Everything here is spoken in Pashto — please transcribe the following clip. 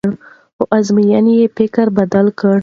خو ازموینې یې فکر بدل کړ.